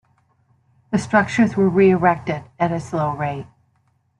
The structures were re-erected at a slow rate.